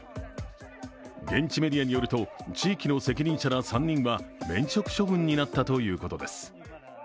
現地メディアによると地域の責任者ら３人は免職処分になったということです。